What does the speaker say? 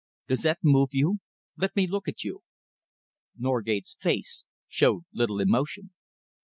Does that move you? Let me look at you." Norgate's face showed little emotion.